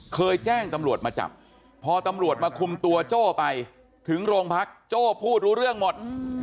เคยแจ้งตำรวจมาจับพอตำรวจมาคุมตัวโจ้ไปถึงโรงพักโจ้พูดรู้เรื่องหมด